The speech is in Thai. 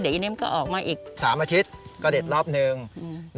เดี๋ยวอันนี้มันก็ออกมาอีกสามอาทิตย์ก็เด็ดรอบหนึ่งอืม